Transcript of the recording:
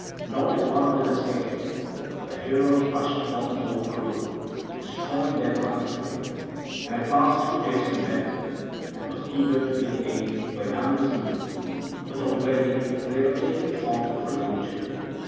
Nor did one of them escape death, but the heroes rushed upon the whole crew, destroying them like a flame; and at last Jason met them, and was eager to give aid where none was needed; but already they were taking thought for him too.